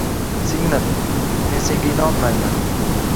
Singlim, men senga inonmayman